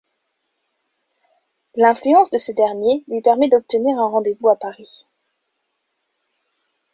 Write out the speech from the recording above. L’influence de ce dernier lui permet d’obtenir un rendez-vous à Paris.